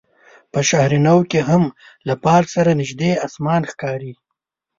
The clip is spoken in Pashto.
په شهر نو کې هم له پارک سره نژدې اسمان ښکاري.